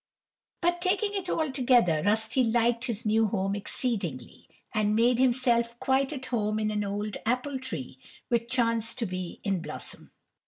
But, taking it altogether, Rusty liked his new home exceedingly, and made himself quite at home in an old apple tree which chanced to be in blossom.